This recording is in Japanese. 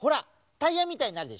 タイヤみたいになるでしょ？